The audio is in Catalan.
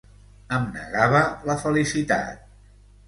Em negava la felicitat.